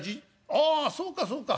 ああそうかそうか。